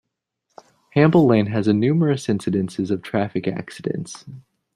Hamble Lane has a numerous incidences of traffic accidents.